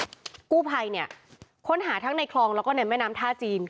กู้ภัยเนี่ยค้นหาทั้งในคลองแล้วก็ในแม่น้ำท่าจีน